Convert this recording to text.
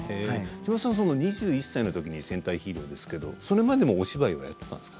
千葉さん２１歳のときに戦隊ヒーローだったんですがそれまではお芝居やっていたんですか。